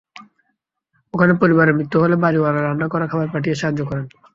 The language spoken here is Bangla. ওখানে পরিবারের মৃত্যু হলে বাড়িওয়ালা রান্না করা খাবার পাঠিয়ে সাহায্য করেন।